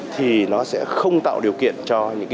thì nó sẽ không tạo điều kiện cho những dự án